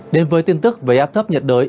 đến với tin tức về áp thấp nhiệt đới